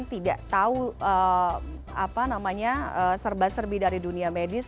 tidak tahu apa namanya serba serbi dari dunia medis